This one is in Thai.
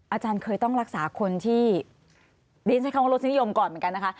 อาจารย์เคยต้องรักษาคนที่ดิฉันใช้คำว่ารสนิยมก่อนเหมือนกันนะคะ